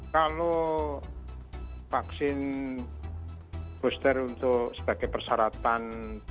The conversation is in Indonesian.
kalau vaksin booster untuk sebagai persyaratan